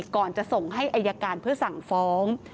ก่อนจะส่งให้อายการเพื่อสั่งฟ้อง